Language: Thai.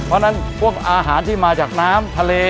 เพราะฉะนั้นพวกอาหารที่มาจากน้ำทะเล